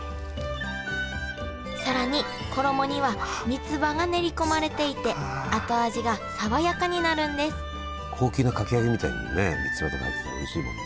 更に衣には三葉が練り込まれていて後味が爽やかになるんです高級なかき揚げみたいにね三葉とか入ってたらおいしいもん。